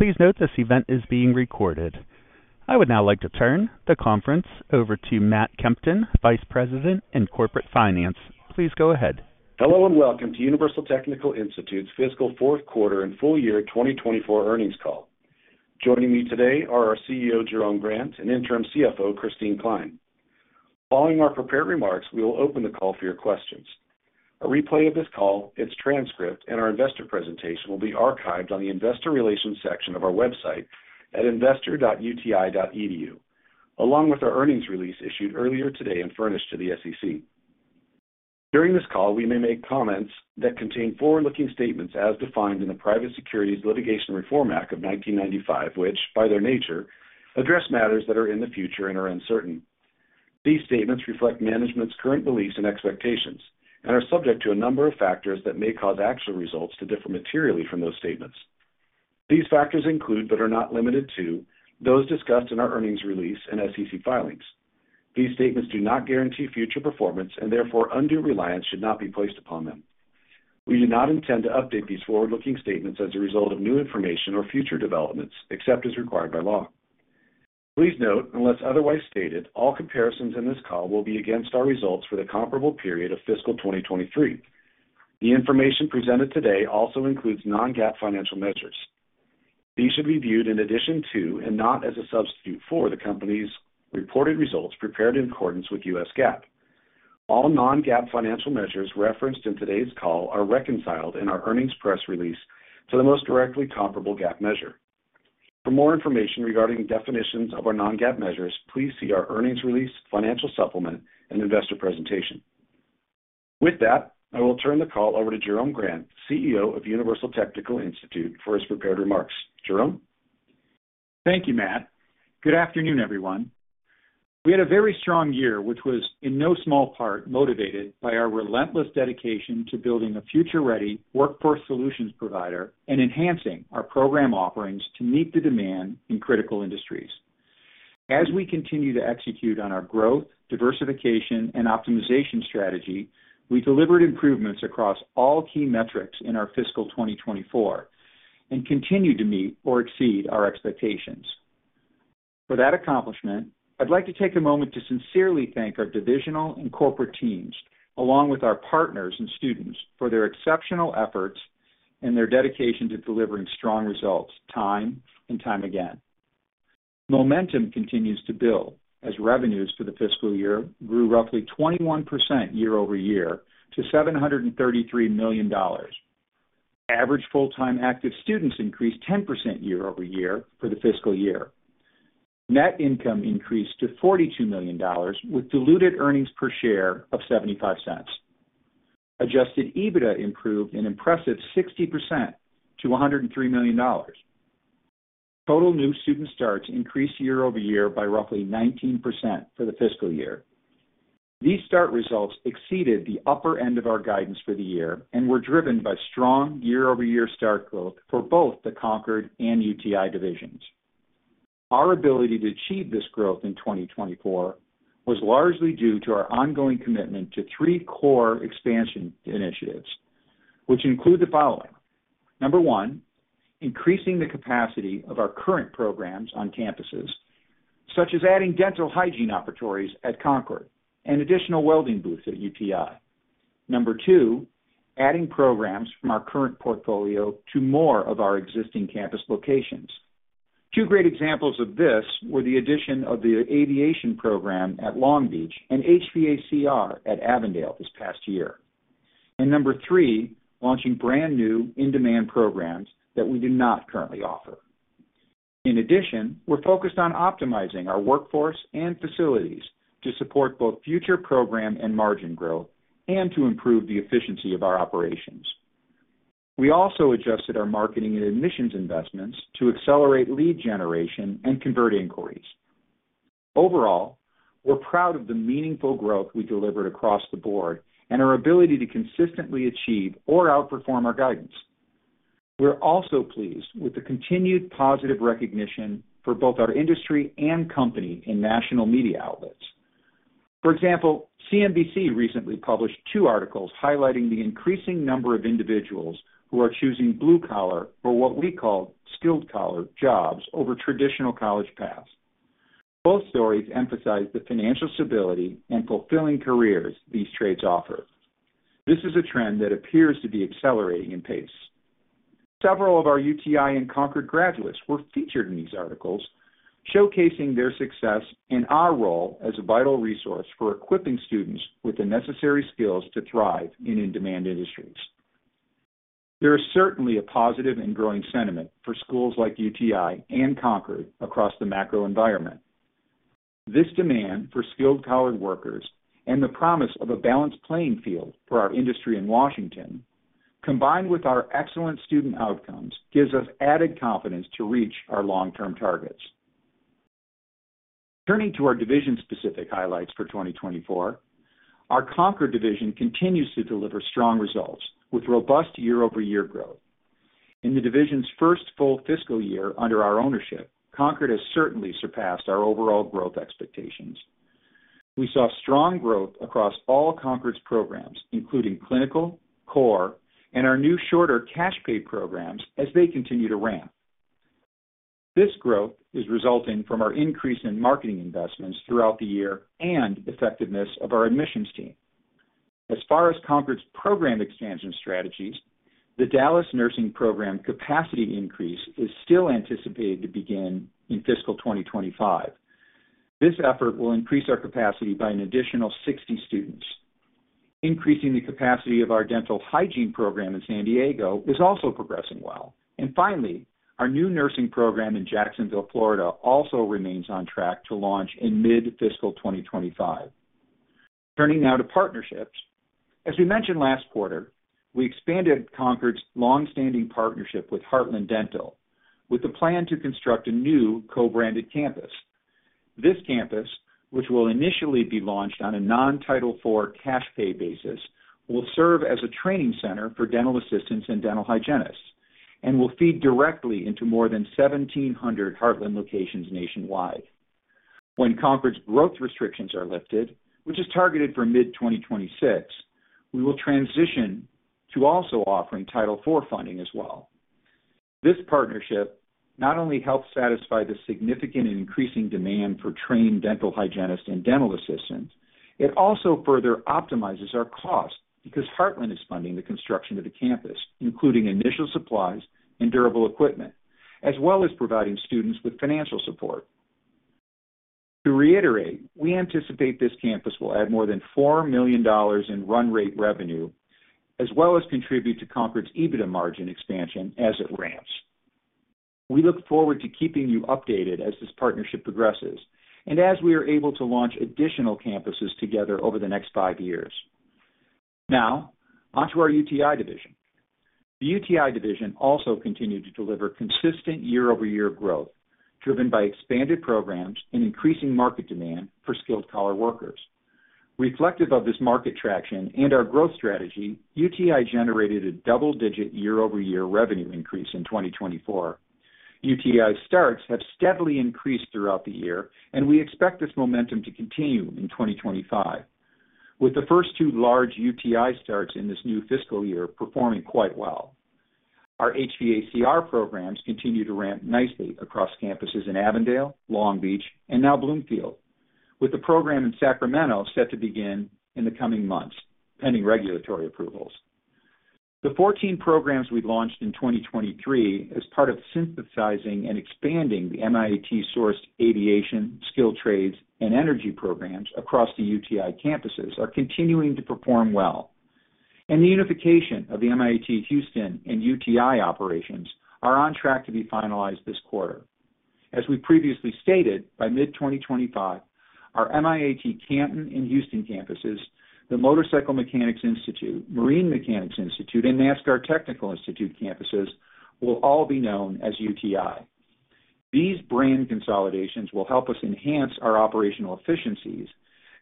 Please note this event is being recorded. I would now like to turn the conference over to Matt Kempton, Vice President in Corporate Finance. Please go ahead. Hello and welcome to Universal Technical Institute's fiscal fourth quarter and full year 2024 earnings call. Joining me today are our CEO, Jerome Grant, and interim CFO, Christine Kline. Following our prepared remarks, we will open the call for your questions. A replay of this call, its transcript, and our investor presentation will be archived on the investor relations section of our website at investor.uti.edu, along with our earnings release issued earlier today and furnished to the SEC. During this call, we may make comments that contain forward-looking statements as defined in the Private Securities Litigation Reform Act of 1995, which, by their nature, address matters that are in the future and are uncertain. These statements reflect management's current beliefs and expectations and are subject to a number of factors that may cause actual results to differ materially from those statements. These factors include, but are not limited to, those discussed in our earnings release and SEC filings. These statements do not guarantee future performance and therefore undue reliance should not be placed upon them. We do not intend to update these forward-looking statements as a result of new information or future developments, except as required by law. Please note, unless otherwise stated, all comparisons in this call will be against our results for the comparable period of fiscal 2023. The information presented today also includes non-GAAP financial measures. These should be viewed in addition to and not as a substitute for the company's reported results prepared in accordance with U.S. GAAP. All non-GAAP financial measures referenced in today's call are reconciled in our earnings press release to the most directly comparable GAAP measure. For more information regarding definitions of our non-GAAP measures, please see our earnings release, financial supplement, and investor presentation. With that, I will turn the call over to Jerome Grant, CEO of Universal Technical Institute, for his prepared remarks. Jerome? Thank you, Matt. Good afternoon, everyone. We had a very strong year, which was in no small part motivated by our relentless dedication to building a future-ready workforce solutions provider and enhancing our program offerings to meet the demand in critical industries. As we continue to execute on our growth, diversification, and optimization strategy, we delivered improvements across all key metrics in our fiscal 2024 and continue to meet or exceed our expectations. For that accomplishment, I'd like to take a moment to sincerely thank our divisional and corporate teams, along with our partners and students, for their exceptional efforts and their dedication to delivering strong results time and time again. Momentum continues to build as revenues for the fiscal year grew roughly 21% year-over-year to $733 million. Average full-time active students increased 10% year-over-year for the fiscal year. Net income increased to $42 million, with diluted earnings per share of $0.75. Adjusted EBITDA improved an impressive 60% to $103 million. Total new student starts increased year over year by roughly 19% for the fiscal year. These start results exceeded the upper end of our guidance for the year and were driven by strong year-over-year start growth for both the Concorde and UTI divisions. Our ability to achieve this growth in 2024 was largely due to our ongoing commitment to three core expansion initiatives, which include the following: Number one, increasing the capacity of our current programs on campuses, such as adding dental hygiene operatories at Concorde and additional welding booths at UTI. Number two, adding programs from our current portfolio to more of our existing campus locations. Two great examples of this were the addition of the aviation program at Long Beach and HVACR at Avondale this past year, and number three, launching brand new in-demand programs that we do not currently offer. In addition, we're focused on optimizing our workforce and facilities to support both future program and margin growth and to improve the efficiency of our operations. We also adjusted our marketing and admissions investments to accelerate lead generation and convert inquiries. Overall, we're proud of the meaningful growth we delivered across the board and our ability to consistently achieve or outperform our guidance. We're also pleased with the continued positive recognition for both our industry and company in national media outlets. For example, CNBC recently published two articles highlighting the increasing number of individuals who are choosing blue-collar or what we call skilled-collar jobs over traditional college paths. Both stories emphasize the financial stability and fulfilling careers these trades offer. This is a trend that appears to be accelerating in pace. Several of our UTI and Concorde graduates were featured in these articles, showcasing their success and our role as a vital resource for equipping students with the necessary skills to thrive in in-demand industries. There is certainly a positive and growing sentiment for schools like UTI and Concorde across the macro environment. This demand for skilled-collar workers and the promise of a balanced playing field for our industry in Washington, combined with our excellent student outcomes, gives us added confidence to reach our long-term targets. Turning to our division-specific highlights for 2024, our Concorde division continues to deliver strong results with robust year-over-year growth. In the division's first full fiscal year under our ownership, Concorde has certainly surpassed our overall growth expectations. We saw strong growth across all Concorde's programs, including clinical, core, and our new shorter cash-pay programs as they continue to ramp. This growth is resulting from our increase in marketing investments throughout the year and effectiveness of our admissions team. As far as Concorde's program expansion strategies, the Dallas nursing program capacity increase is still anticipated to begin in fiscal 2025. This effort will increase our capacity by an additional 60 students. Increasing the capacity of our dental hygiene program in San Diego is also progressing well, and finally, our new nursing program in Jacksonville, Florida, also remains on track to launch in mid-fiscal 2025. Turning now to partnerships, as we mentioned last quarter, we expanded Concorde's long-standing partnership with Heartland Dental with the plan to construct a new co-branded campus. This campus, which will initially be launched on a non-Title IV cash-pay basis, will serve as a training center for dental assistants and dental hygienists and will feed directly into more than 1,700 Heartland locations nationwide. When Concorde's growth restrictions are lifted, which is targeted for mid-2026, we will transition to also offering Title IV funding as well. This partnership not only helps satisfy the significant and increasing demand for trained dental hygienists and dental assistants, it also further optimizes our costs because Heartland is funding the construction of the campus, including initial supplies and durable equipment, as well as providing students with financial support. To reiterate, we anticipate this campus will add more than $4 million in run rate revenue, as well as contribute to Concorde's EBITDA margin expansion as it ramps. We look forward to keeping you updated as this partnership progresses and as we are able to launch additional campuses together over the next five years. Now, onto our UTI division. The UTI division also continued to deliver consistent year-over-year growth driven by expanded programs and increasing market demand for skilled-collar workers. Reflective of this market traction and our growth strategy, UTI generated a double-digit year-over-year revenue increase in 2024. UTI starts have steadily increased throughout the year, and we expect this momentum to continue in 2025, with the first two large UTI starts in this new fiscal year performing quite well. Our HVACR programs continue to ramp nicely across campuses in Avondale, Long Beach, and now Bloomfield, with the program in Sacramento set to begin in the coming months, pending regulatory approvals. The 14 programs we launched in 2023 as part of synthesizing and expanding the MIAT-sourced aviation, skilled trades, and energy programs across the UTI campuses are continuing to perform well. The unification of the MIAT Houston and UTI operations is on track to be finalized this quarter. As we previously stated, by mid-2025, our MIAT Canton and Houston campuses, the Motorcycle Mechanics Institute, Marine Mechanics Institute, and NASCAR Technical Institute campuses will all be known as UTI. These brand consolidations will help us enhance our operational efficiencies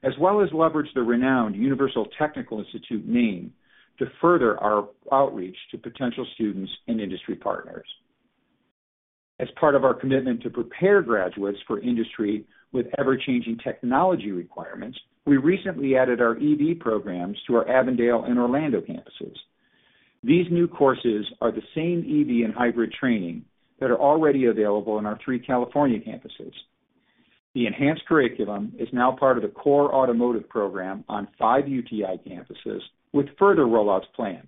as well as leverage the renowned Universal Technical Institute name to further our outreach to potential students and industry partners. As part of our commitment to prepare graduates for industry with ever-changing technology requirements, we recently added our EV programs to our Avondale and Orlando campuses. These new courses are the same EV and hybrid training that are already available in our three California campuses. The enhanced curriculum is now part of the core automotive program on five UTI campuses with further rollouts planned.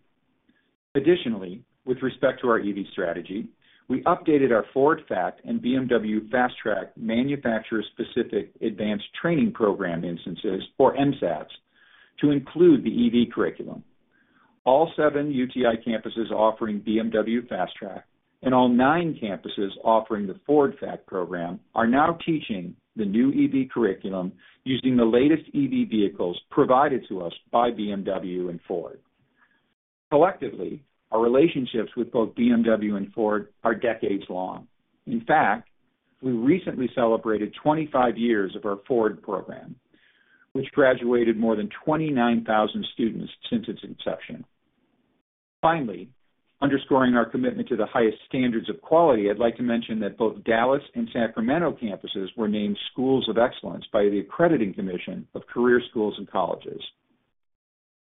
Additionally, with respect to our EV strategy, we updated our Ford FACT and BMW Fast Track Manufacturer-Specific Advanced Training Program instances, or MSATs, to include the EV curriculum. All seven UTI campuses offering BMW Fast Track and all nine campuses offering the Ford FACT program are now teaching the new EV curriculum using the latest EV vehicles provided to us by BMW and Ford. Collectively, our relationships with both BMW and Ford are decades long. In fact, we recently celebrated 25 years of our Ford program, which graduated more than 29,000 students since its inception. Finally, underscoring our commitment to the highest standards of quality, I'd like to mention that both Dallas and Sacramento campuses were named Schools of Excellence by the Accrediting Commission of Career Schools and Colleges.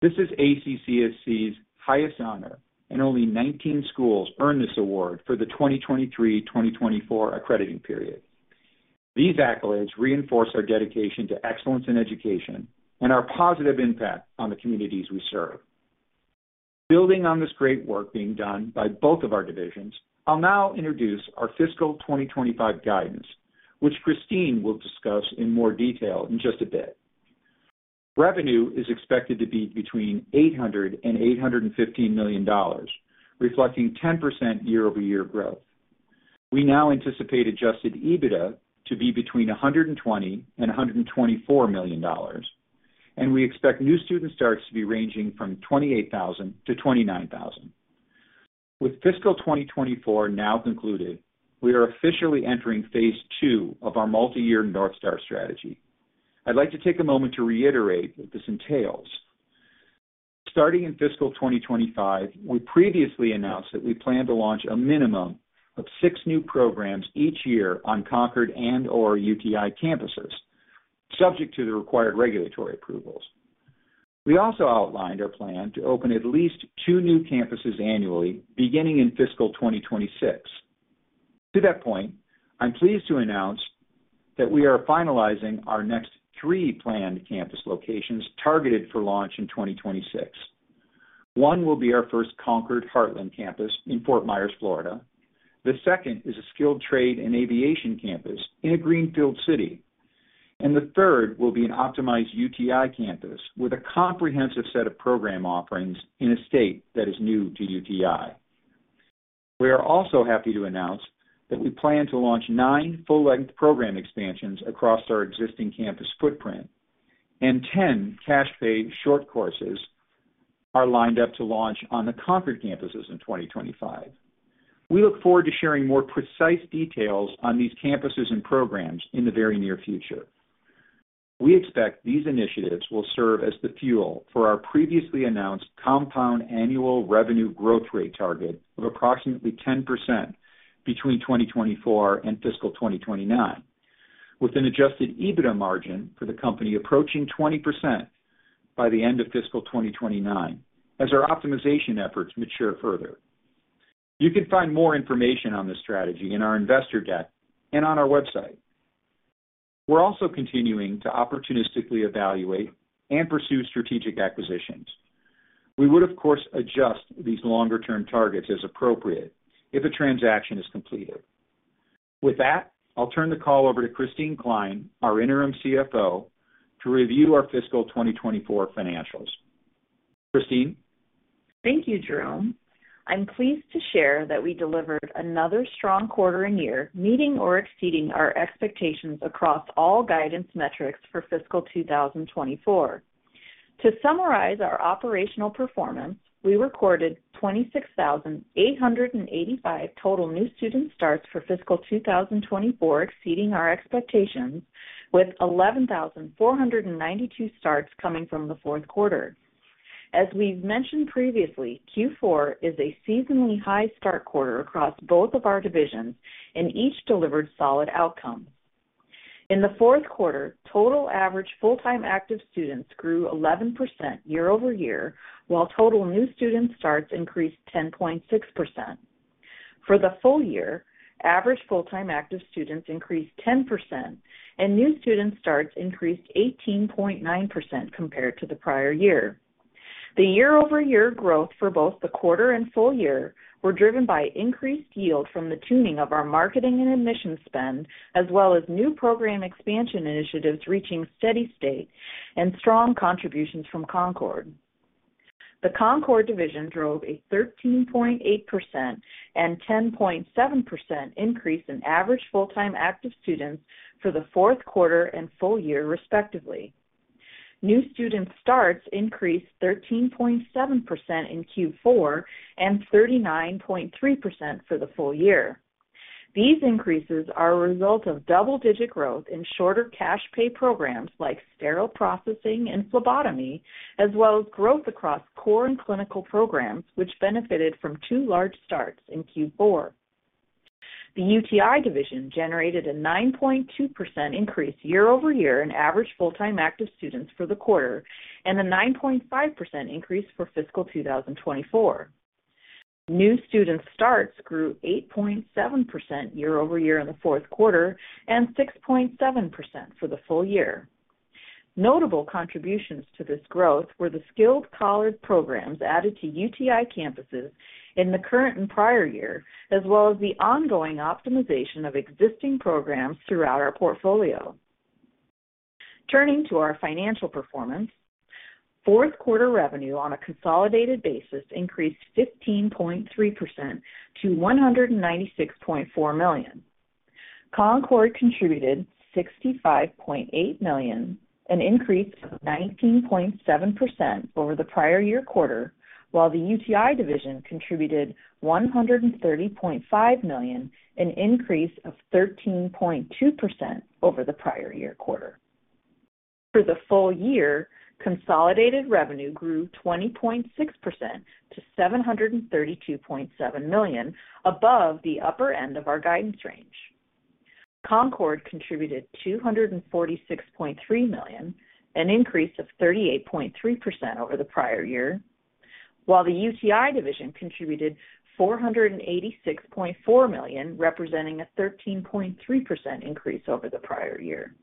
This is ACCSC's highest honor, and only 19 schools earned this award for the 2023-2024 accrediting period. These accolades reinforce our dedication to excellence in education and our positive impact on the communities we serve. Building on this great work being done by both of our divisions, I'll now introduce our fiscal 2025 guidance, which Christine will discuss in more detail in just a bit. Revenue is expected to be between $800 million and $815 million, reflecting 10% year-over-year growth. We now anticipate Adjusted EBITDA to be between $120 million and $124 million, and we expect new student starts to be ranging from 28,000-29,000. With fiscal 2024 now concluded, we are officially entering phase two of our multi-year North Star Strategy. I'd like to take a moment to reiterate what this entails. Starting in fiscal 2025, we previously announced that we plan to launch a minimum of six new programs each year on Concorde and/or UTI campuses, subject to the required regulatory approvals. We also outlined our plan to open at least two new campuses annually beginning in fiscal 2026. To that point, I'm pleased to announce that we are finalizing our next three planned campus locations targeted for launch in 2026. One will be our first Concorde-Heartland campus in Fort Myers, Florida. The second is a skilled trade and aviation campus in a greenfield city, and the third will be an optimized UTI campus with a comprehensive set of program offerings in a state that is new to UTI. We are also happy to announce that we plan to launch nine full-length program expansions across our existing campus footprint, and 10 cash-pay short courses are lined up to launch on the Concorde campuses in 2025. We look forward to sharing more precise details on these campuses and programs in the very near future. We expect these initiatives will serve as the fuel for our previously announced compound annual revenue growth rate target of approximately 10% between 2024 and fiscal 2029, with an Adjusted EBITDA margin for the company approaching 20% by the end of fiscal 2029 as our optimization efforts mature further. You can find more information on this strategy in our investor deck and on our website. We're also continuing to opportunistically evaluate and pursue strategic acquisitions. We would, of course, adjust these longer-term targets as appropriate if a transaction is completed. With that, I'll turn the call over to Christine Kline, our interim CFO, to review our fiscal 2024 financials. Christine. Thank you, Jerome. I'm pleased to share that we delivered another strong quarter and year, meeting or exceeding our expectations across all guidance metrics for fiscal 2024. To summarize our operational performance, we recorded 26,885 total new student starts for fiscal 2024, exceeding our expectations, with 11,492 starts coming from the fourth quarter. As we've mentioned previously, Q4 is a seasonally high start quarter across both of our divisions, and each delivered solid outcomes. In the fourth quarter, total average full-time active students grew 11% year-over-year, while total new student starts increased 10.6%. For the full year, average full-time active students increased 10%, and new student starts increased 18.9% compared to the prior year. The year-over-year growth for both the quarter and full year was driven by increased yield from the tuning of our marketing and admissions spend, as well as new program expansion initiatives reaching steady state and strong contributions from Concorde. The Concorde division drove a 13.8% and 10.7% increase in average full-time active students for the fourth quarter and full year, respectively. New student starts increased 13.7% in Q4 and 39.3% for the full year. These increases are a result of double-digit growth in shorter cash-pay programs like sterile processing and phlebotomy, as well as growth across core and clinical programs, which benefited from two large starts in Q4. The UTI division generated a 9.2% increase year-over-year in average full-time active students for the quarter and a 9.5% increase for fiscal 2024. New student starts grew 8.7% year-over-year in the fourth quarter and 6.7% for the full year. Notable contributions to this growth were the skilled-collar programs added to UTI campuses in the current and prior year, as well as the ongoing optimization of existing programs throughout our portfolio. Turning to our financial performance, fourth quarter revenue on a consolidated basis increased 15.3% to $196.4 million. Concorde contributed $65.8 million, an increase of 19.7% over the prior year quarter, while the UTI division contributed $130.5 million, an increase of 13.2% over the prior year quarter. For the full year, consolidated revenue grew 20.6% to $732.7 million, above the upper end of our guidance range. Concorde contributed $246.3 million, an increase of 38.3% over the prior year, while the UTI division contributed $486.4 million, representing a 13.3% increase over the prior year.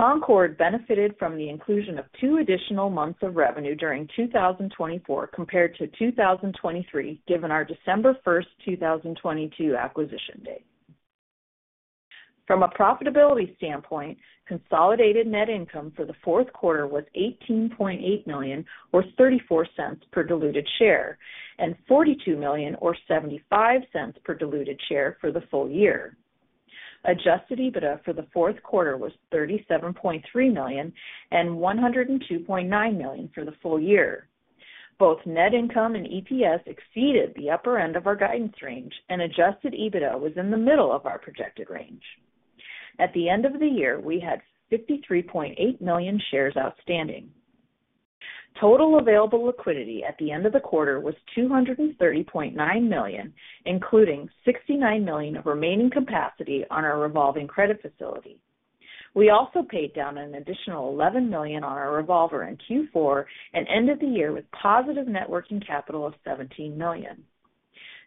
Concorde benefited from the inclusion of two additional months of revenue during 2024 compared to 2023, given our December 1st, 2022, acquisition date. From a profitability standpoint, consolidated net income for the fourth quarter was $18.8 million, or $0.34 per diluted share, and $42 million, or $0.75 per diluted share for the full year. Adjusted EBITDA for the fourth quarter was $37.3 million and $102.9 million for the full year. Both net income and EPS exceeded the upper end of our guidance range, and adjusted EBITDA was in the middle of our projected range. At the end of the year, we had 53.8 million shares outstanding. Total available liquidity at the end of the quarter was $230.9 million, including $69 million of remaining capacity on our revolving credit facility. We also paid down an additional $11 million on our revolver in Q4 and ended the year with positive net working capital of $17 million.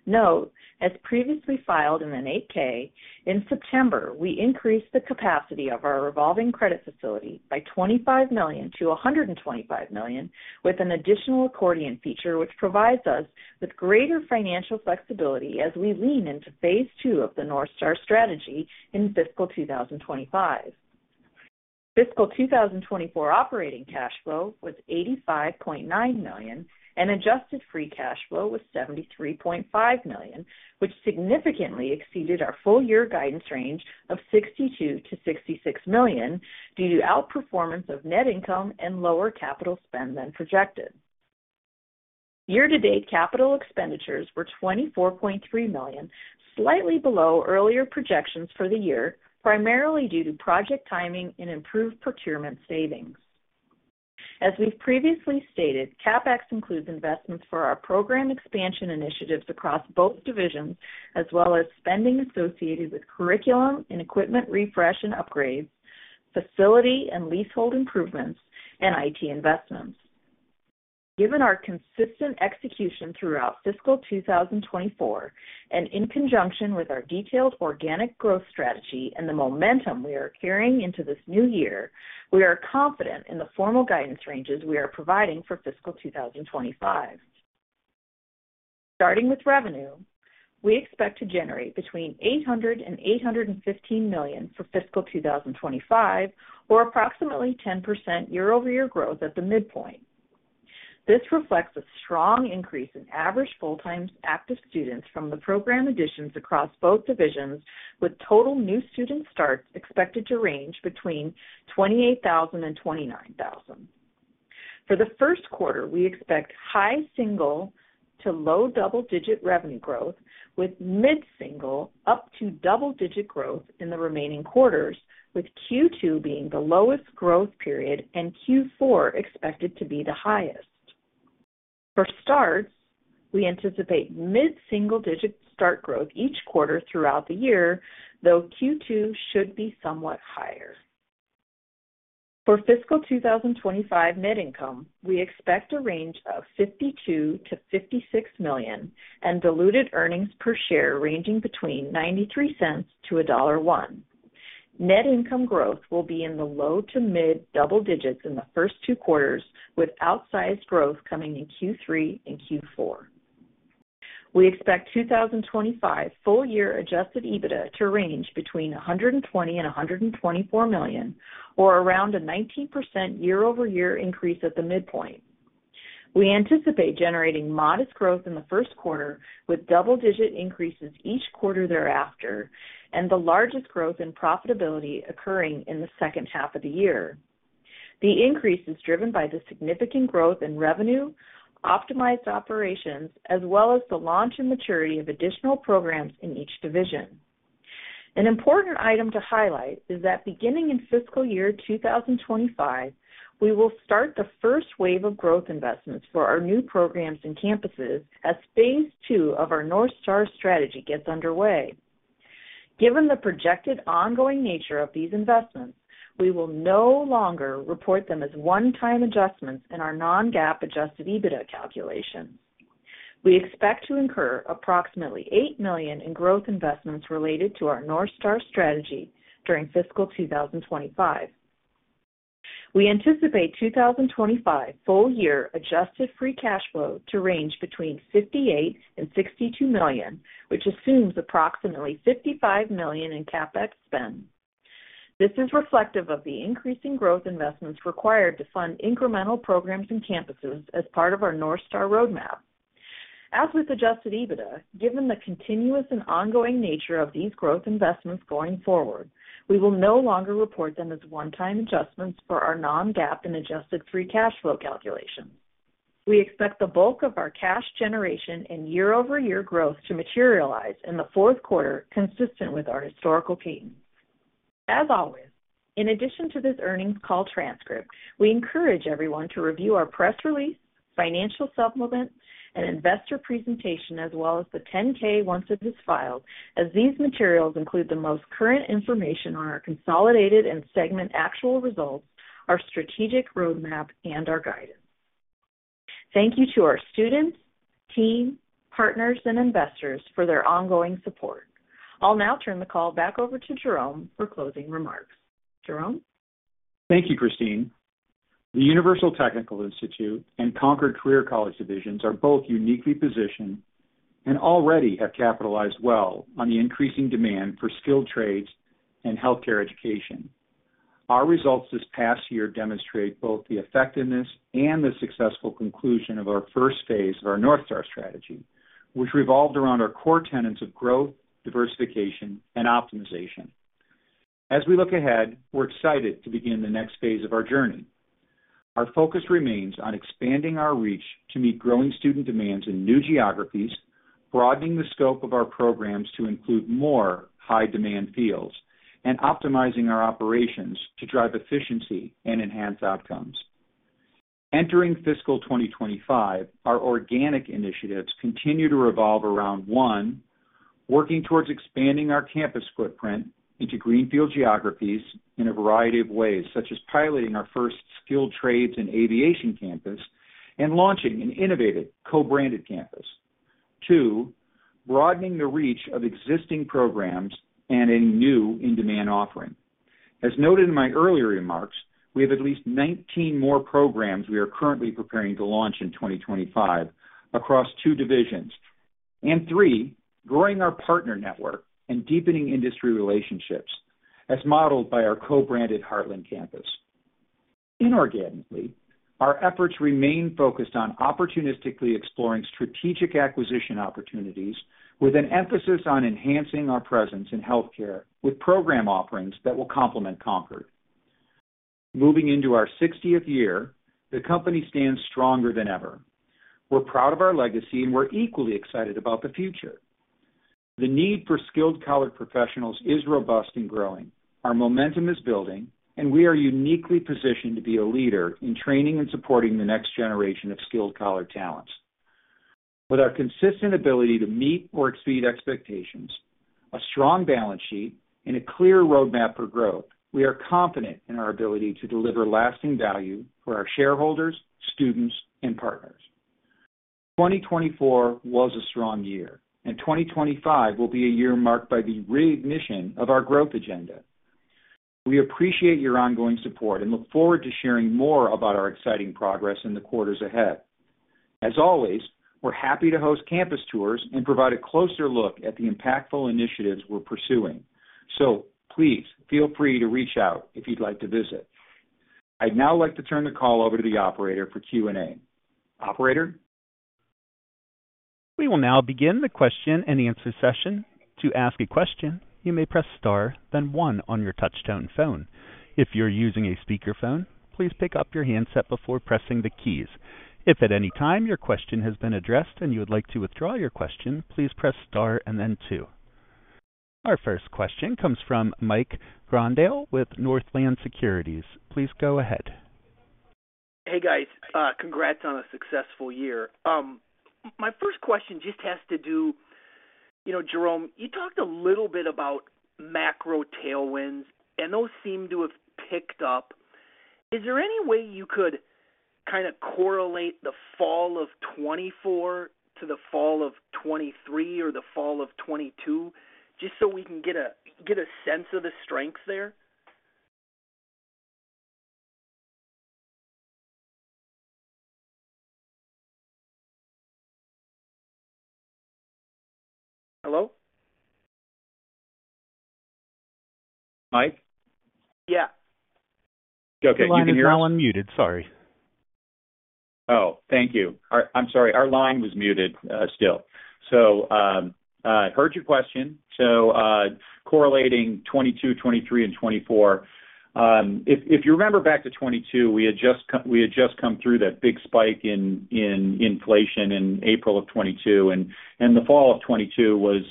Note, as previously filed in an 8-K, in September, we increased the capacity of our revolving credit facility by $25 million-$125 million, with an additional accordion feature which provides us with greater financial flexibility as we lean into phase two of the North Star Strategy in fiscal 2025. Fiscal 2024 operating cash flow was $85.9 million, and adjusted free cash flow was $73.5 million, which significantly exceeded our full-year guidance range of $62 million-$66 million due to outperformance of net income and lower capital spend than projected. Year-to-date capital expenditures were $24.3 million, slightly below earlier projections for the year, primarily due to project timing and improved procurement savings. As we've previously stated, CapEx includes investments for our program expansion initiatives across both divisions, as well as spending associated with curriculum and equipment refresh and upgrades, facility and leasehold improvements, and IT investments. Given our consistent execution throughout fiscal 2024, and in conjunction with our detailed organic growth strategy and the momentum we are carrying into this new year, we are confident in the formal guidance ranges we are providing for fiscal 2025. Starting with revenue, we expect to generate between $800 million and $815 million for fiscal 2025, or approximately 10% year-over-year growth at the midpoint. This reflects a strong increase in average full-time active students from the program additions across both divisions, with total new student starts expected to range between 28,000 and 29,000. For the first quarter, we expect high single to low double-digit revenue growth, with mid-single up to double-digit growth in the remaining quarters, with Q2 being the lowest growth period and Q4 expected to be the highest. For starts, we anticipate mid-single digit start growth each quarter throughout the year, though Q2 should be somewhat higher. For fiscal 2025 net income, we expect a range of $52 million-$56 million and diluted earnings per share ranging between $0.93-$1.01. Net income growth will be in the low to mid double digits in the first two quarters, with outsized growth coming in Q3 and Q4. We expect 2025 full-year Adjusted EBITDA to range between $120 million and $124 million, or around a 19% year-over-year increase at the midpoint. We anticipate generating modest growth in the first quarter, with double-digit increases each quarter thereafter, and the largest growth in profitability occurring in the second half of the year. The increase is driven by the significant growth in revenue, optimized operations, as well as the launch and maturity of additional programs in each division. An important item to highlight is that beginning in fiscal year 2025, we will start the first wave of growth investments for our new programs and campuses as phase II of our North Star Strategy gets underway. Given the projected ongoing nature of these investments, we will no longer report them as one-time adjustments in our non-GAAP adjusted EBITDA calculations. We expect to incur approximately $8 million in growth investments related to our North Star Strategy during fiscal 2025. We anticipate 2025 full-year adjusted free cash flow to range between $58 million and $62 million, which assumes approximately $55 million in CapEx spend. This is reflective of the increasing growth investments required to fund incremental programs and campuses as part of our North Star roadmap. As with adjusted EBITDA, given the continuous and ongoing nature of these growth investments going forward, we will no longer report them as one-time adjustments for our non-GAAP and adjusted free cash flow calculations. We expect the bulk of our cash generation and year-over-year growth to materialize in the fourth quarter, consistent with our historical cadence. As always, in addition to this earnings call transcript, we encourage everyone to review our press release, financial supplement, and investor presentation, as well as the 10-K once it is filed, as these materials include the most current information on our consolidated and segment actual results, our strategic roadmap, and our guidance. Thank you to our students, team, partners, and investors for their ongoing support. I'll now turn the call back over to Jerome for closing remarks. Jerome. Thank you, Christine. The Universal Technical Institute and Concorde Career College divisions are both uniquely positioned and already have capitalized well on the increasing demand for skilled trades and healthcare education. Our results this past year demonstrate both the effectiveness and the successful conclusion of our first phase of our North Star Strategy, which revolved around our core tenets of growth, diversification, and optimization. As we look ahead, we're excited to begin the next phase of our journey. Our focus remains on expanding our reach to meet growing student demands in new geographies, broadening the scope of our programs to include more high-demand fields, and optimizing our operations to drive efficiency and enhance outcomes. Entering fiscal 2025, our organic initiatives continue to revolve around one, working towards expanding our campus footprint into greenfield geographies in a variety of ways, such as piloting our first skilled trades and aviation campus and launching an innovative co-branded campus. Two, broadening the reach of existing programs and a new in-demand offering. As noted in my earlier remarks, we have at least 19 more programs we are currently preparing to launch in 2025 across two divisions. And three, growing our partner network and deepening industry relationships, as modeled by our co-branded Heartland campus. Inorganically, our efforts remain focused on opportunistically exploring strategic acquisition opportunities, with an emphasis on enhancing our presence in healthcare with program offerings that will complement Concorde. Moving into our 60th year, the company stands stronger than ever. We're proud of our legacy, and we're equally excited about the future. The need for skilled-collar professionals is robust and growing. Our momentum is building, and we are uniquely positioned to be a leader in training and supporting the next generation of skilled-collar talents. With our consistent ability to meet or exceed expectations, a strong balance sheet, and a clear roadmap for growth, we are confident in our ability to deliver lasting value for our shareholders, students, and partners. 2024 was a strong year, and 2025 will be a year marked by the reignition of our growth agenda. We appreciate your ongoing support and look forward to sharing more about our exciting progress in the quarters ahead. As always, we're happy to host campus tours and provide a closer look at the impactful initiatives we're pursuing. So please feel free to reach out if you'd like to visit. I'd now like to turn the call over to the operator for Q&A. Operator. We will now begin the question and answer session. To ask a question, you may press star, then one on your touch-tone phone. If you're using a speakerphone, please pick up your handset before pressing the keys. If at any time your question has been addressed and you would like to withdraw your question, please press star and then two. Our first question comes from Mike Grondahl with Northland Securities. Please go ahead. Hey, guys. Congrats on a successful year. My first question just has to do, you know, Jerome, you talked a little bit about macro tailwinds, and those seem to have picked up. Is there any way you could kind of correlate the fall of 2024 to the fall of 2023 or the fall of 2022, just so we can get a sense of the strength there? Hello? Mike? Yeah. Okay. Can you hear me? Your line's now unmuted. Sorry. Oh, thank you. I'm sorry. Our line was muted still. So I heard your question. So correlating 2022, 2023, and 2024, if you remember back to 2022, we had just come through that big spike in inflation in April of 2022, and the fall of 2022 was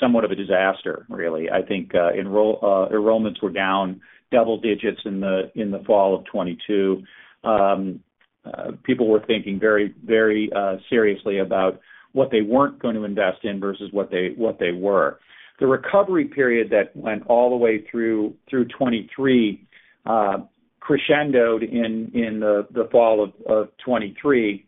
somewhat of a disaster, really. I think enrollments were down double digits in the fall of 2022. People were thinking very seriously about what they weren't going to invest in versus what they were. The recovery period that went all the way through 2023 crescendoed in the fall of 2023,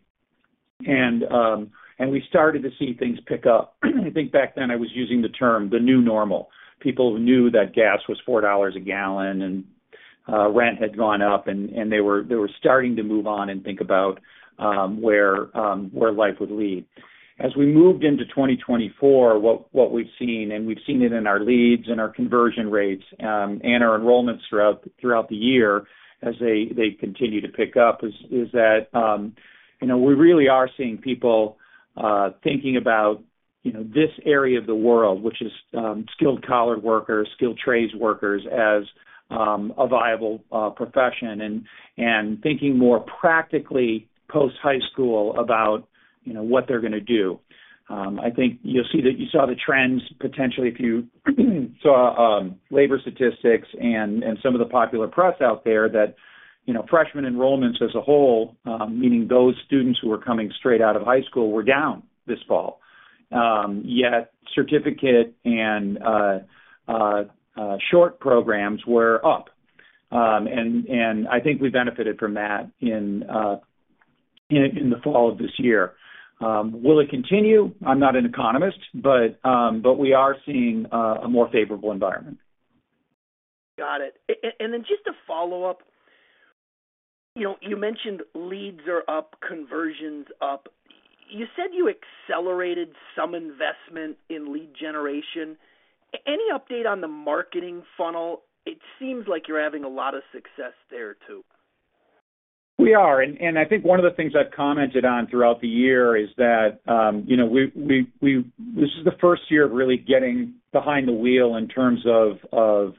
and we started to see things pick up. I think back then I was using the term the new normal. People knew that gas was $4 a gallon, and rent had gone up, and they were starting to move on and think about where life would lead. As we moved into 2024, what we've seen, and we've seen it in our leads and our conversion rates and our enrollments throughout the year as they continue to pick up, is that we really are seeing people thinking about this area of the world, which is skilled-collar workers, skilled trades workers as a viable profession, and thinking more practically post-high school about what they're going to do. I think you'll see that you saw the trends potentially if you saw labor statistics and some of the popular press out there that freshmen enrollments as a whole, meaning those students who were coming straight out of high school, were down this fall. Yet certificate and short programs were up. And I think we benefited from that in the fall of this year. Will it continue? I'm not an economist, but we are seeing a more favorable environment. Got it. And then just to follow up, you mentioned leads are up, conversions up. You said you accelerated some investment in lead generation. Any update on the marketing funnel? It seems like you're having a lot of success there too. We are. And I think one of the things I've commented on throughout the year is that this is the first year of really getting behind the wheel in terms of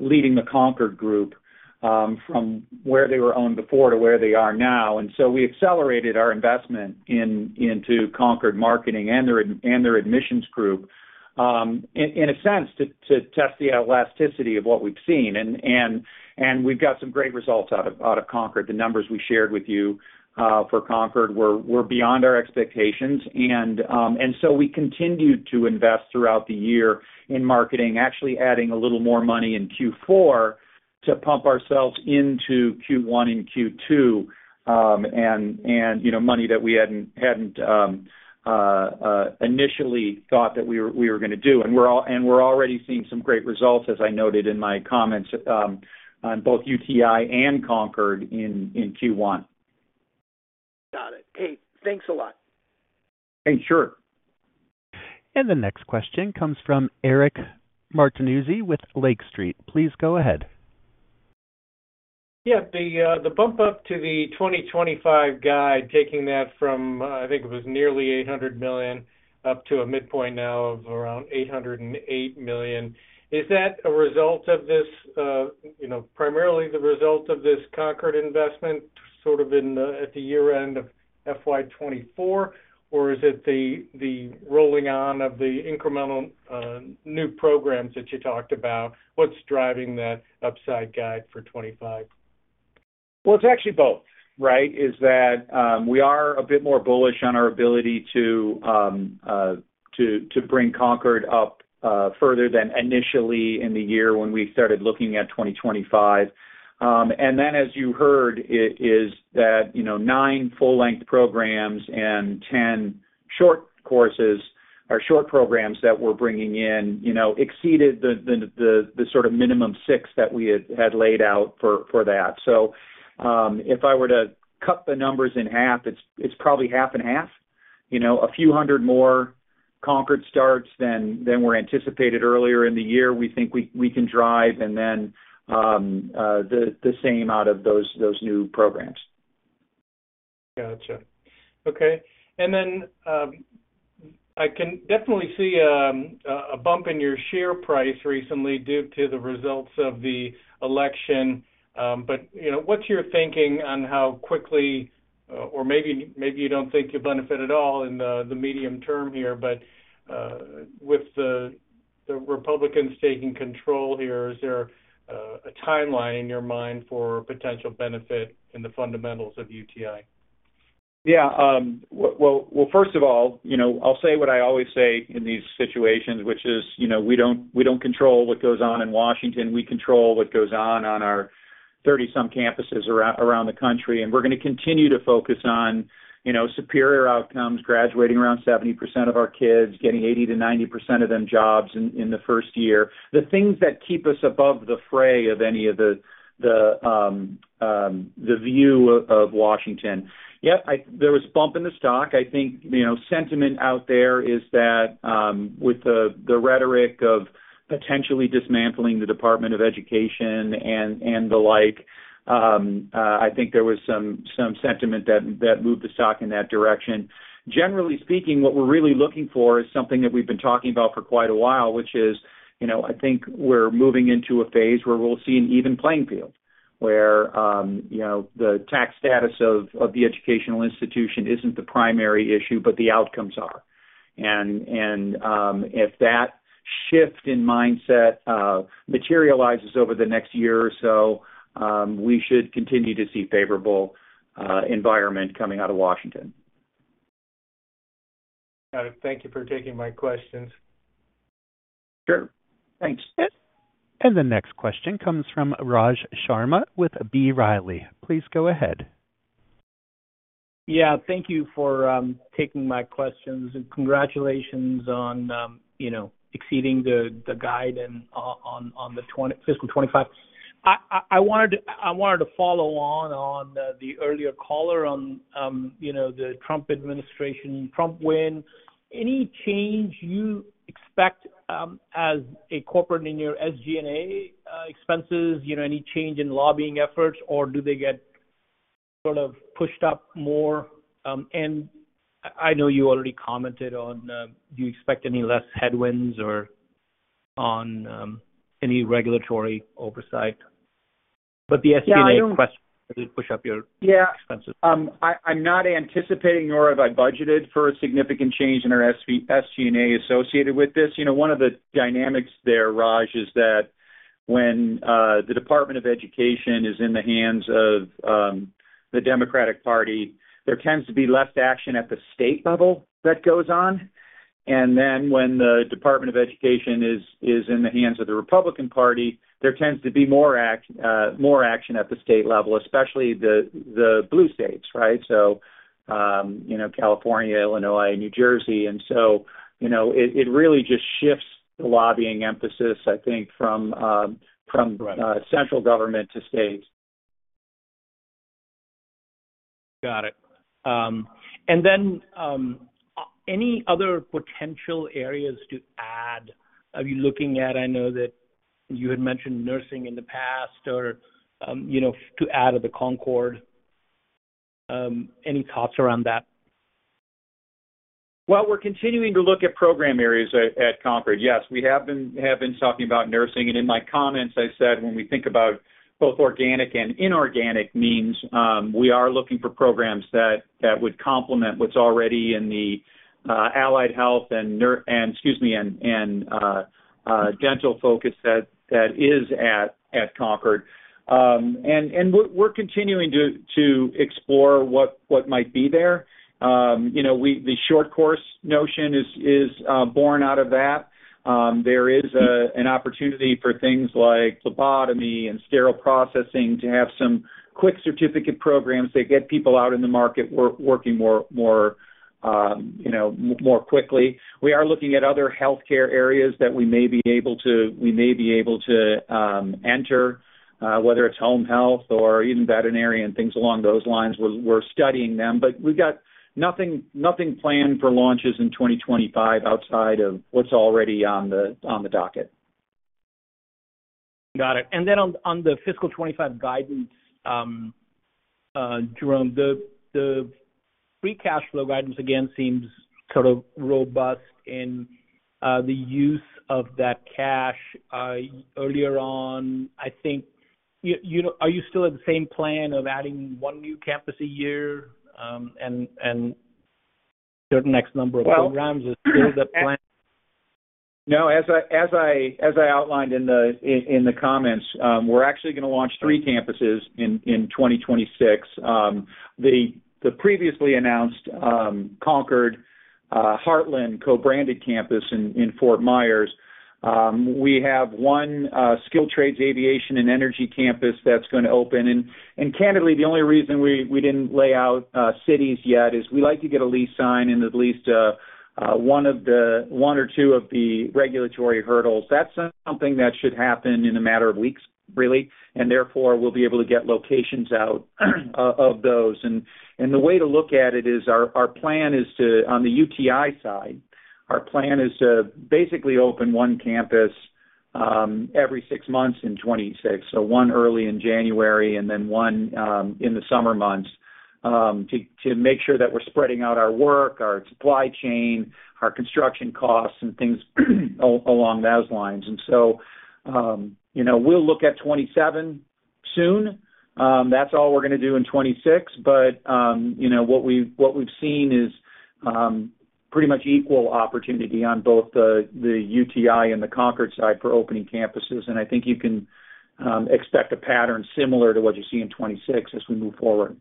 leading the Concorde group from where they were owned before to where they are now. And so we accelerated our investment into Concorde Marketing and their admissions group in a sense to test the elasticity of what we've seen. And we've got some great results out of Concorde. The numbers we shared with you for Concorde were beyond our expectations. And so we continued to invest throughout the year in marketing, actually adding a little more money in Q4 to pump ourselves into Q1 and Q2 and money that we hadn't initially thought that we were going to do. And we're already seeing some great results, as I noted in my comments on both UTI and Concorde in Q1. Got it. Hey, thanks a lot. Hey, sure. And the next question comes from Eric Martinuzzi with Lake Street. Please go ahead. Yeah. The bump up to the 2025 guide, taking that from, I think it was nearly $800 million, up to a midpoint now of around $808 million. Is that a result of this, primarily the result of this Concorde investment sort of at the year end of FY 24, or is it the rolling on of the incremental new programs that you talked about? What's driving that upside guide for 2025? Well, it's actually both, right? It's that we are a bit more bullish on our ability to bring Concorde up further than initially in the year when we started looking at 2025. And then, as you heard, it's that nine full-length programs and 10 short courses or short programs that we're bringing in exceeded the sort of minimum six that we had laid out for that. So if I were to cut the numbers in half, it's probably half and half. A few hundred more Concorde starts than were anticipated earlier in the year, we think we can drive and then the same out of those new programs. Gotcha. Okay. And then I can definitely see a bump in your share price recently due to the results of the election. But what's your thinking on how quickly, or maybe you don't think you'll benefit at all in the medium term here, but with the Republicans taking control here, is there a timeline in your mind for potential benefit in the fundamentals of UTI? Yeah. Well, first of all, I'll say what I always say in these situations, which is we don't control what goes on in Washington. We control what goes on on our 30-some campuses around the country. And we're going to continue to focus on superior outcomes, graduating around 70% of our kids, getting 80%-90% of them jobs in the first year. The things that keep us above the fray of any of the view of Washington. Yep, there was a bump in the stock. I think sentiment out there is that with the rhetoric of potentially dismantling the Department of Education and the like, I think there was some sentiment that moved the stock in that direction. Generally speaking, what we're really looking for is something that we've been talking about for quite a while, which is I think we're moving into a phase where we'll see an even playing field, where the tax status of the educational institution isn't the primary issue, but the outcomes are. And if that shift in mindset materializes over the next year or so, we should continue to see a favorable environment coming out of Washington. Got it. Thank you for taking my questions. Sure. Thanks. And the next question comes from Raj Sharma with B. Riley. Please go ahead. Yeah. Thank you for taking my questions. And congratulations on exceeding the guide on the fiscal 2025. I wanted to follow on the earlier caller on the Trump administration, Trump win. Any change you expect as a corporation in your SG&A expenses? Any change in lobbying efforts, or do they get sort of pushed up more? And I know you already commented on do you expect any less headwinds or on any regulatory oversight? But the SG&A question did push up your expenses. Yeah. I'm not anticipating or have I budgeted for a significant change in our SG&A associated with this. One of the dynamics there, Raj, is that when the Department of Education is in the hands of the Democratic Party, there tends to be less action at the state level that goes on. And then when the Department of Education is in the hands of the Republican Party, there tends to be more action at the state level, especially the blue states, right? So California, Illinois, New Jersey. And so it really just shifts the lobbying emphasis, I think, from central government to states. Got it. And then any other potential areas to add? Are you looking at, I know that you had mentioned nursing in the past, or to add to the Concorde? Any thoughts around that? Well, we're continuing to look at program areas at Concorde. Yes, we have been talking about nursing. And in my comments, I said when we think about both organic and inorganic means, we are looking for programs that would complement what's already in the allied health and, excuse me, and dental focus that is at Concorde. And we're continuing to explore what might be there. The short course notion is born out of that. There is an opportunity for things like phlebotomy and sterile processing to have some quick certificate programs that get people out in the market working more quickly. We are looking at other healthcare areas that we may be able to enter, whether it's home health or even veterinary and things along those lines. We're studying them. But we've got nothing planned for launches in 2025 outside of what's already on the docket. Got it. And then on the fiscal 2025 guidance, Jerome, the free cash flow guidance again seems sort of robust in the use of that cash earlier on. I think, are you still at the same plan of adding one new campus a year and a certain X number of programs? Is that still the plan? No. As I outlined in the comments, we're actually going to launch three campuses in 2026. The previously announced Concorde, Heartland co-branded campus in Fort Myers. We have one skilled trades, aviation, and energy campus that's going to open. And candidly, the only reason we didn't lay out cities yet is we'd like to get a lease signed and at least one or two of the regulatory hurdles. That's something that should happen in a matter of weeks, really. And therefore, we'll be able to get locations out of those. And the way to look at it is our plan is to, on the UTI side, our plan is to basically open one campus every six months in 2026. So one early in January and then one in the summer months to make sure that we're spreading out our work, our supply chain, our construction costs, and things along those lines. And so we'll look at 2027 soon. That's all we're going to do in 2026. But what we've seen is pretty much equal opportunity on both the UTI and the Concorde side for opening campuses. And I think you can expect a pattern similar to what you see in 2026 as we move forward.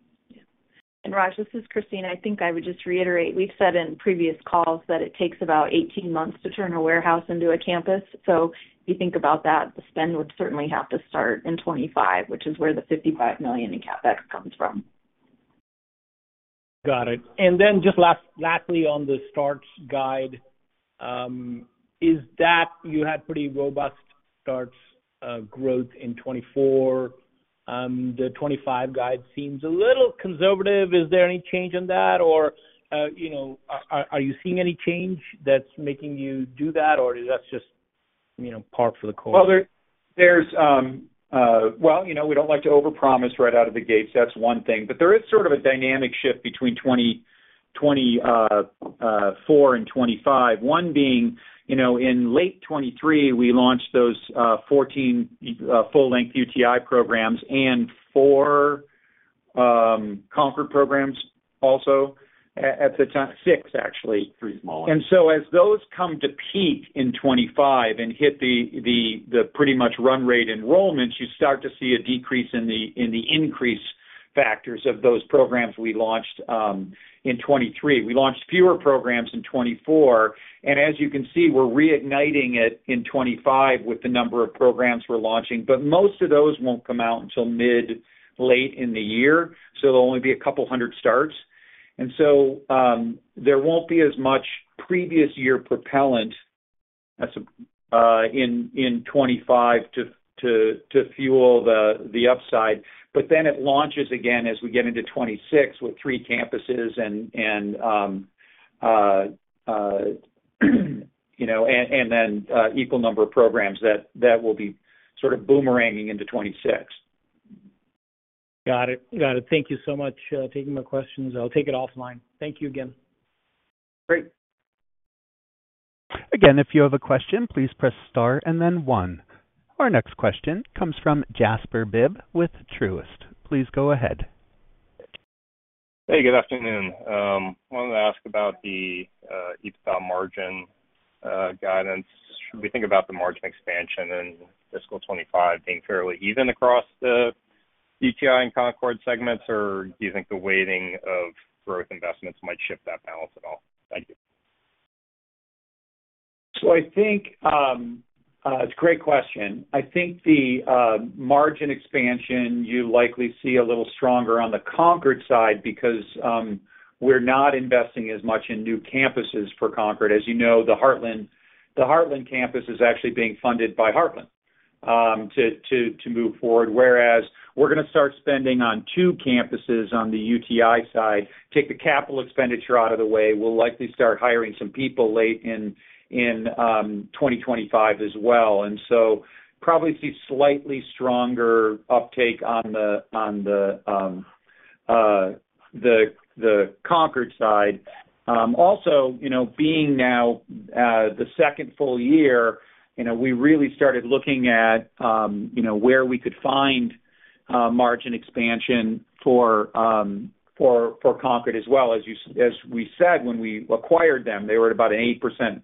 And Raj, this is Christine. I think I would just reiterate. We've said in previous calls that it takes about 18 months to turn a warehouse into a campus. So if you think about that, the spend would certainly have to start in 2025, which is where the $55 million in CapEx comes from. Got it. And then just lastly on the starts guide, is that you had pretty robust starts growth in 2024. The 2025 guide seems a little conservative. Is there any change on that? Or are you seeing any change that's making you do that, or is that just par for the course? We don't like to overpromise right out of the gates. That's one thing. But there is sort of a dynamic shift between 2024 and 2025. One being in late 2023, we launched those 14 full-length UTI programs and four Concorde programs also at the time, six actually. And so as those come to peak in 2025 and hit the pretty much run rate enrollments, you start to see a decrease in the increase factors of those programs we launched in 2023. We launched fewer programs in 2024. And as you can see, we're reigniting it in 2025 with the number of programs we're launching. But most of those won't come out until mid-late in the year. So there'll only be a couple hundred starts. And so there won't be as much previous year propellant in 2025 to fuel the upside. But then it launches again as we get into 2026 with three campuses and then equal number of programs that will be sort of boomeranging into 2026. Got it. Got it. Thank you so much for taking my questions. I'll take it offline. Thank you again. Great. Again, if you have a question, please press star and then one. Our next question comes from Jasper Bibb with Truist. Please go ahead. Hey, good afternoon. I wanted to ask about the EBITDA margin guidance. Should we think about the margin expansion in fiscal 2025 being fairly even across the UTI and Concorde segments, or do you think the weighting of growth investments might shift that balance at all? Thank you. So I think it's a great question. I think the margin expansion you likely see a little stronger on the Concorde side because we're not investing as much in new campuses for Concorde. As you know, the Heartland campus is actually being funded by Heartland to move forward, whereas we're going to start spending on two campuses on the UTI side, take the capital expenditure out of the way. We'll likely start hiring some people late in 2025 as well, and so probably see slightly stronger uptake on the Concorde side. Also, being now the second full year, we really started looking at where we could find margin expansion for Concorde as well. As we said, when we acquired them, they were at about an 8%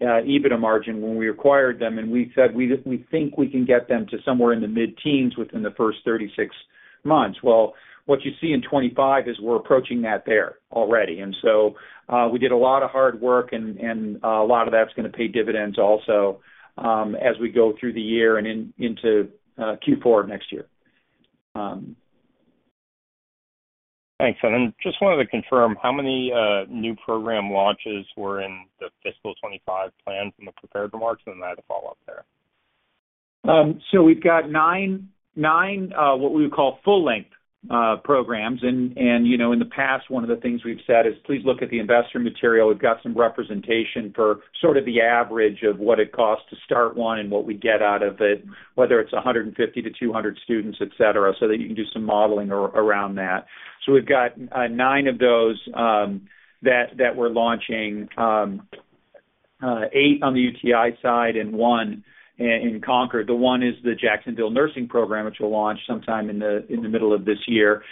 EBITDA margin when we acquired them. We said, we think we can get them to somewhere in the mid-teens within the first 36 months. Well, what you see in 2025 is we're approaching that there already. And so we did a lot of hard work, and a lot of that's going to pay dividends also as we go through the year and into Q4 of next year. Thanks. And then just wanted to confirm, how many new program launches were in the fiscal 2025 plan from the prepared remarks? And then I had to follow up there. So we've got nine what we would call full-length programs. And in the past, one of the things we've said is, please look at the investor material. We've got some representation for sort of the average of what it costs to start one and what we get out of it, whether it's 150-200 students, etc., so that you can do some modeling around that. So we've got nine of those that we're launching, eight on the UTI side and one in Concorde. The one is the Jacksonville Nursing Program, which will launch sometime in the middle of this year.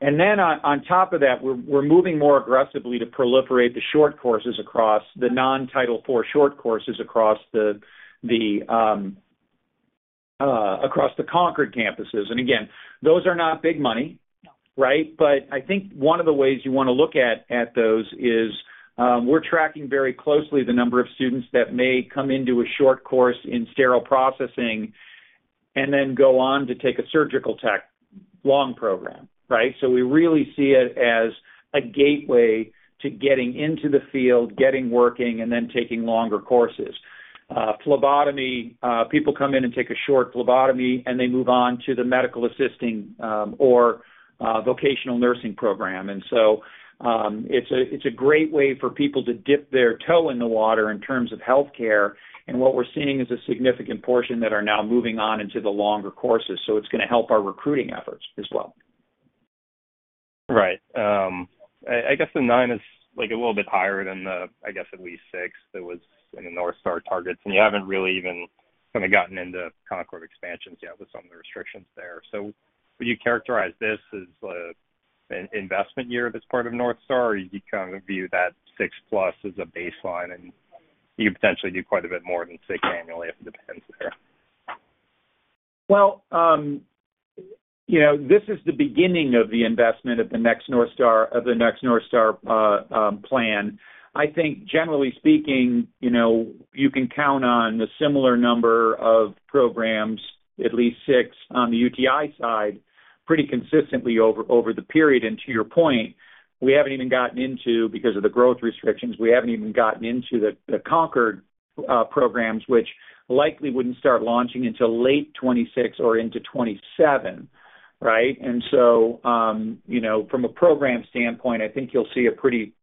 And then on top of that, we're moving more aggressively to proliferate the non-Title IV short courses across the Concorde campuses. And again, those are not big money, right? But I think one of the ways you want to look at those is we're tracking very closely the number of students that may come into a short course in sterile processing and then go on to take a surgical tech long program, right? So we really see it as a gateway to getting into the field, getting working, and then taking longer courses. Phlebotomy, people come in and take a short phlebotomy, and they move on to the medical assisting or vocational nursing program. And so it's a great way for people to dip their toe in the water in terms of healthcare. And what we're seeing is a significant portion that are now moving on into the longer courses. So it's going to help our recruiting efforts as well. Right. I guess the nine is a little bit higher than the, I guess, at least six that was in the North Star targets. You haven't really even kind of gotten into Concorde expansions yet with some of the restrictions there. So would you characterize this as an investment year if it's part of North Star, or you kind of view that 6+ as a baseline and you could potentially do quite a bit more than six annually if it depends there? Well, this is the beginning of the investment of the next North Star plan. I think, generally speaking, you can count on a similar number of programs, at least six on the UTI side, pretty consistently over the period. And to your point, we haven't even gotten into because of the growth restrictions, we haven't even gotten into the Concorde programs, which likely wouldn't start launching until late 2026 or into 2027, right? And so from a program standpoint, I think you'll see a pretty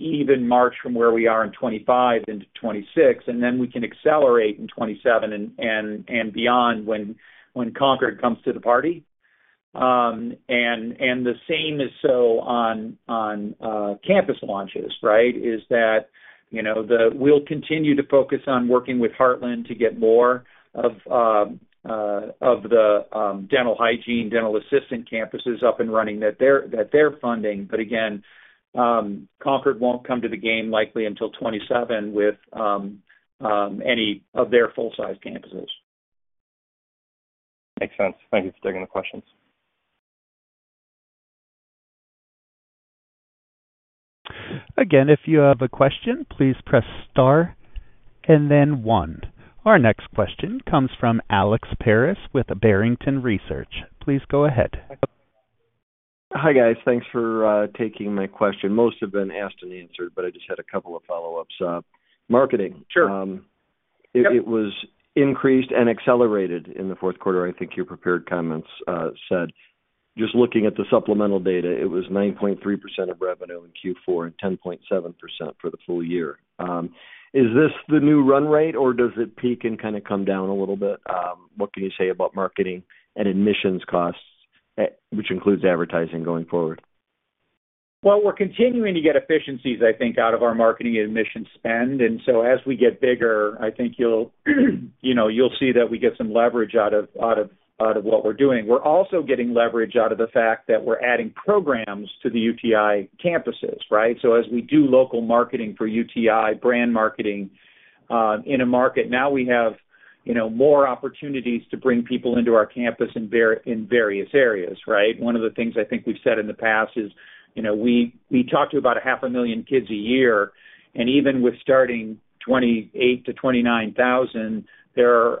even march from where we are in 2025 into 2026. And then we can accelerate in 2027 and beyond when Concorde comes to the party. And the same is so on campus launches, right, is that we'll continue to focus on working with Heartland to get more of the dental hygiene, dental assistant campuses up and running that they're funding. But again, Concorde won't come to the game likely until 2027 with any of their full-size campuses. Makes sense. Thank you for taking the questions. Again, if you have a question, please press star and then one. Our next question comes from Alex Paris with Barrington Research. Please go ahead. Hi guys. Thanks for taking my question. Most have been asked and answered, but I just had a couple of follow-ups. Marketing. It was increased and accelerated in the fourth quarter. I think your prepared comments said just looking at the supplemental data, it was 9.3% of revenue in Q4 and 10.7% for the full year. Is this the new run rate, or does it peak and kind of come down a little bit? What can you say about marketing and admissions costs, which includes advertising going forward? We're continuing to get efficiencies, I think, out of our marketing and admissions spend. And so as we get bigger, I think you'll see that we get some leverage out of what we're doing. We're also getting leverage out of the fact that we're adding programs to the UTI campuses, right? So as we do local marketing for UTI, brand marketing in a market, now we have more opportunities to bring people into our campus in various areas, right? One of the things I think we've said in the past is we talk to about 500,000 kids a year. And even with starting 28,000-29,000, there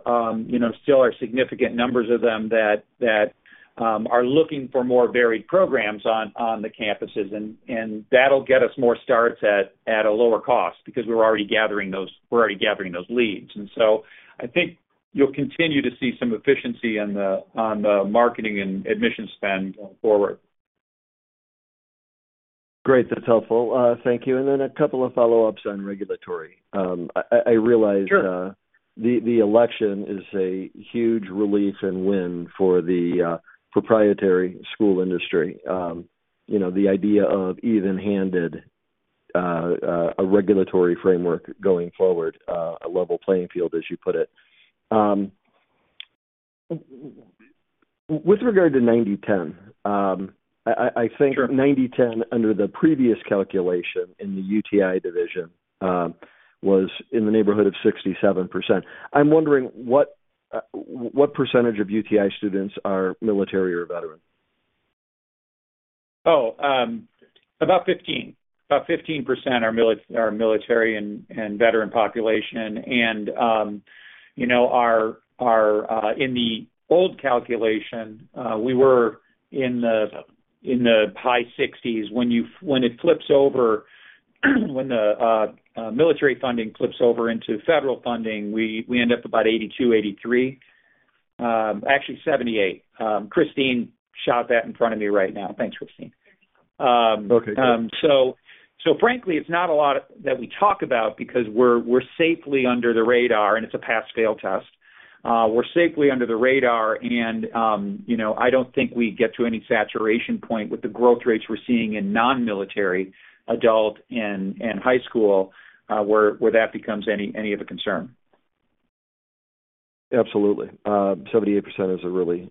still are significant numbers of them that are looking for more varied programs on the campuses. And that'll get us more starts at a lower cost because we're already gathering those leads. And so I think you'll continue to see some efficiency in the marketing and admissions spend going forward. Great. That's helpful. Thank you. And then a couple of follow-ups on regulatory. I realize the election is a huge relief and win for the proprietary school industry. The idea of even-handed regulatory framework going forward, a level playing field, as you put it. With regard to 90/10, I think 90/10 under the previous calculation in the UTI division was in the neighborhood of 67%. I'm wondering what percentage of UTI students are military or veteran? Oh, about 15% are military and veteran population. And in the old calculation, we were in the high 60s%. When it flips over, when the military funding flips over into federal funding, we end up about 82%-83%. Actually, 78%. Christine showed that in front of me right now. Thanks, Christine. Okay. Good. So frankly, it's not a lot that we talk about because we're safely under the radar, and it's a pass-fail test. We're safely under the radar. And I don't think we get to any saturation point with the growth rates we're seeing in non-military adult and high school, where that becomes any of a concern. Absolutely. 78% is a really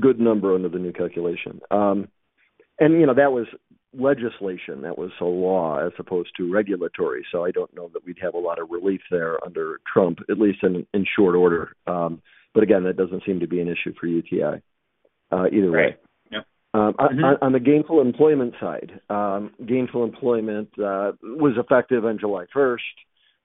good number under the new calculation. And that was legislation. That was a law as opposed to regulatory. So I don't know that we'd have a lot of relief there under Trump, at least in short order. But again, that doesn't seem to be an issue for UTI either way. On the Gainful Employment side, Gainful Employment was effective on July 1st.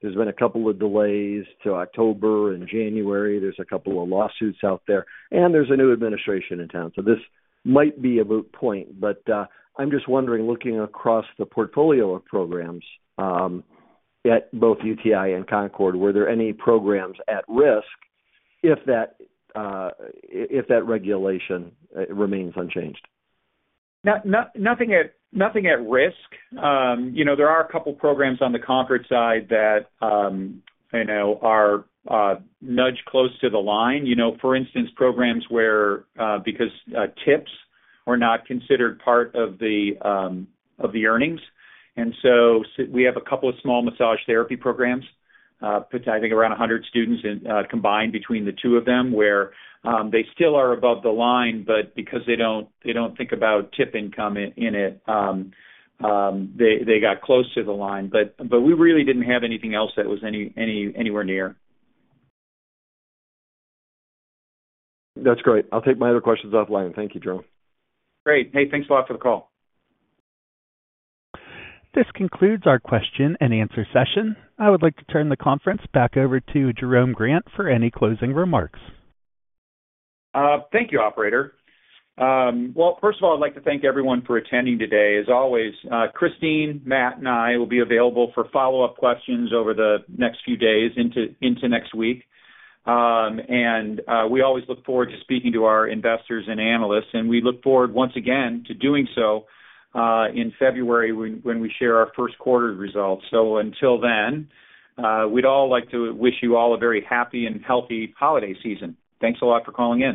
There's been a couple of delays to October and January. There's a couple of lawsuits out there. And there's a new administration in town. So this might be a moot point. But I'm just wondering, looking across the portfolio of programs at both UTI and Concorde, were there any programs at risk if that regulation remains unchanged? Nothing at risk. There are a couple of programs on the Concorde side that are nudged close to the line. For instance, programs where because tips were not considered part of the earnings. And so we have a couple of small massage therapy programs, I think around 100 students combined between the two of them, where they still are above the line, but because they don't think about tip income in it, they got close to the line. But we really didn't have anything else that was anywhere near. That's great. I'll take my other questions offline. Thank you, Jerome. Great. Hey, thanks a lot for the call. This concludes our question and answer session. I would like to turn the conference back over to Jerome Grant for any closing remarks. Thank you, operator. First of all, I'd like to thank everyone for attending today. As always, Christine, Matt, and I will be available for follow-up questions over the next few days into next week. We always look forward to speaking to our investors and analysts. We look forward, once again, to doing so in February when we share our first quarter results. Until then, we'd all like to wish you all a very happy and healthy holiday season. Thanks a lot for calling in.